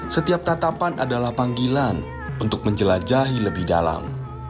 setiap tatapan adalah panggilan untuk menjelajahi lebih dalam